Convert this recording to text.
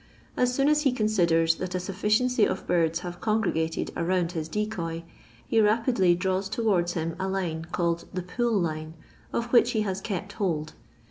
As soon as he considers that a sufliciency of birds have congregated around his decoy, he rapidly draws towards him a line, called the pull line," of which he has kept hold.